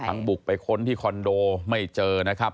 บุกไปค้นที่คอนโดไม่เจอนะครับ